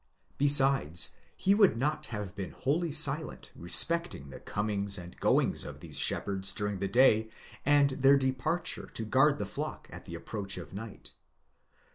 besides he would not have been wholly silent respecting the comings and goings of these shepherds during the day, and their departure to guard the flock at the approach of night.